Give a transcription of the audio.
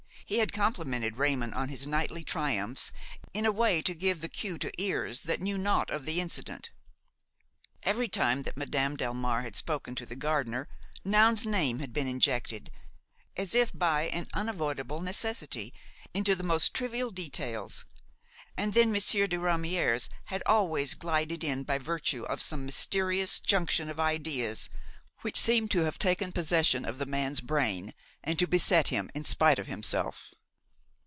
He had complimented Raymon on his knightly triumphs in a way to give the cue to ears that knew naught of the incident. Every time that Madame Delmare had spoken to the gardener, Noun's name had been injected, as if by an unavoidable necessity, into the most trivial details, and then Monsieur de Ramière's had always glided in by virtue of some mysterious junction of ideas which seemed to have taken possession of the man's brain and to beset him in spite of himself.